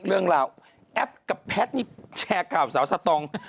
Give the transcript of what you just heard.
เรื่องราวแอปกับแพทย์นี่แชร์ข่าวสาวสตอง